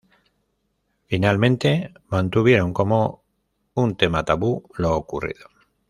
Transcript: Finalmente mantuvieron como un tema Tabú lo ocurrido.